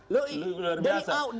lu luar biasa